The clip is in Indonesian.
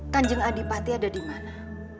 kanjeng adipati ada dimana